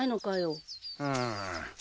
うん。